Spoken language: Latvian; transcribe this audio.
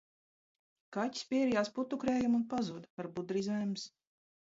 Kaķis pierijās putukrējumu un pazuda, varbūt drīz vems.